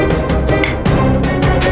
mu sakit bu